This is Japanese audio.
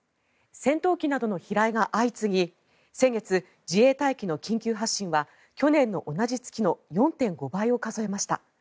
戦闘機などの飛来が相次ぎ先月、自衛隊機の緊急発進は去年の同じ月の４．５倍を数えました。